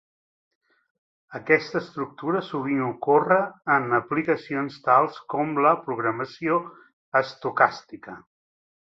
Aquesta estructura sovint ocorre en aplicacions tals com la programació estocàstica.